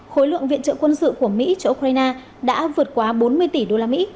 khối lượng viện trợ quân sự của mỹ cho ukraine đã vượt quá bốn mươi tỷ usd